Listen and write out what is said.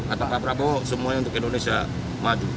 atau pak prabowo semuanya untuk indonesia maju